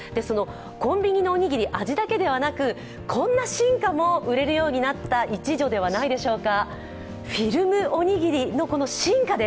コンビニのおにぎり、味だけではなくこんな進化も売れるようになった一助ではないでしょうか。